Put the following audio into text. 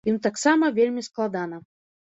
Ім таксама вельмі складана.